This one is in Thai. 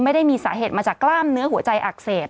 ไม่ได้มีสาเหตุมาจากกล้ามเนื้อหัวใจอักเสบ